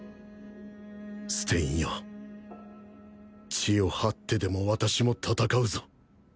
ステインよ地を這ってでも私も戦うぞ。